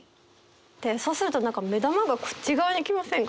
でそうすると目玉がこっち側に来ませんか？